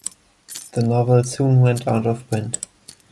The novel soon went out of print.